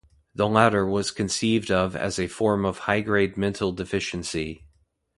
The latter was conceived of as a form of high-grade mental deficiency.